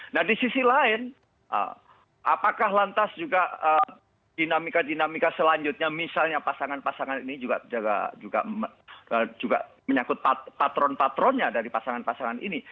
nah di sisi lain apakah lantas juga dinamika dinamika selanjutnya misalnya pasangan pasangan ini juga menyangkut patron patronnya dari pasangan pasangan ini